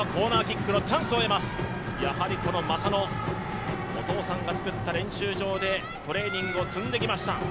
この正野、お父さんがつくった練習場でトレーニングを積んできました。